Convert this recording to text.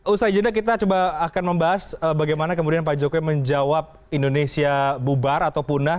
usai juga kita akan coba membahas bagaimana pak jokowi menjawab indonesia bubar atau punah